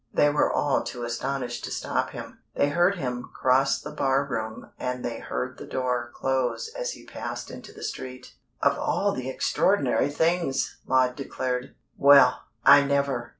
They were all too astonished to stop him. They heard him cross the bar room and they heard the door close as he passed into the street. "Of all the extraordinary things!" Maud declared. "Well, I never!"